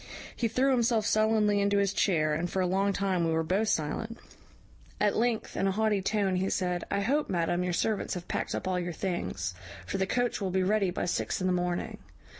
He threw himself sullenly into his chair, and for a long time we were both silent. At length, in a haughty tone, he said, `I hope, madam, your servants have packed up all your things; for the coach will be ready by six in the morning.'